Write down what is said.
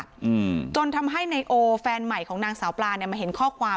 อืมจนทำให้ไนโอแฟนใหม่ของนางสาวปลาเนี้ยมาเห็นข้อความ